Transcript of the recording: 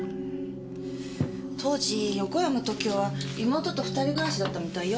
当時横山時雄は妹と２人暮らしだったみたいよ。